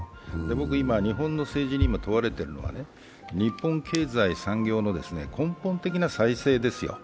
僕、今、日本の政治に問われているのは日本経済産業の根本的な再生ですよ。